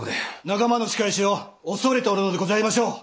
仲間の仕返しを恐れておるのでございましょう！